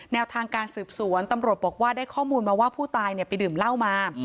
แนวทางการสืบสวนตำรวจบอกว่าได้ข้อมูลมาว่าผู้ตายไปดื่มเหล้ามา